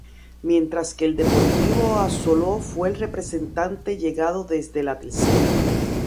Mientras que el Deportivo Abasolo fue el representante llegado desde la Tercera.